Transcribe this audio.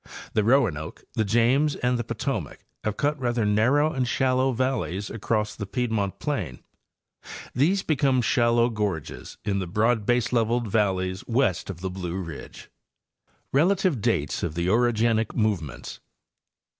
The Roanoke, the James and the Potomac have cut rather narrow and shallow valleys across the piedmont plain. These become shallow gorges in the broad baseleveled valleys west of the Blue ridge. RELATIVE DATES OF THE OROGENIC MOVEMENTS.